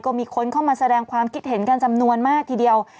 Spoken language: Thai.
ก็มีคนเข้ามาแสดงความคิดเห็นกันจำนวนมากทีเดียว